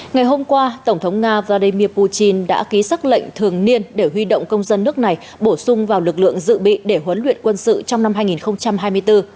ngày hôm qua tổng thống nga vladimir putin đã ký xác lệnh thường niên để huy động công dân nước này bổ sung vào lực lượng dự bị để huấn luyện quân sự trong năm hai nghìn hai mươi bốn